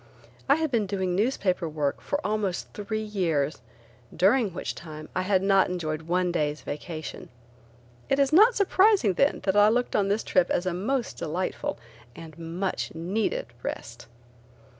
I had been doing newspaper work for almost three years, during which time I had not enjoyed one day's vacation. It is not surprising then that I looked on this trip as a most delightful and much needed rest.